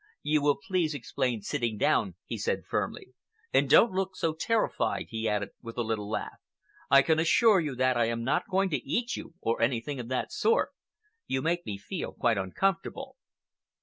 "You will please explain sitting down," he said firmly. "And don't look so terrified," he added, with a little laugh. "I can assure you that I am not going to eat you, or anything of that sort. You make me feel quite uncomfortable."